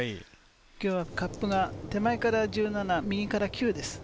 今日はカップが手前から１７、右から９です。